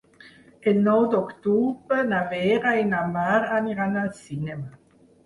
El nou d'octubre na Vera i na Mar aniran al cinema.